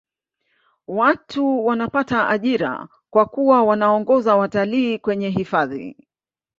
watu wanapata ajira kwa kuwa waongoza watalii kwenye hifadhi